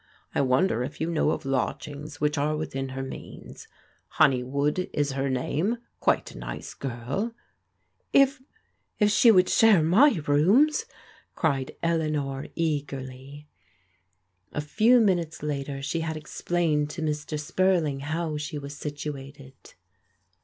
I wonder if you know of lodgings which are within her means? Honey wood is her name — quite a nice girl." " If — if she would share my rooms !cried Eleanor eagerly. A few minutes later she had explained to Mr. Spurling how she was situated.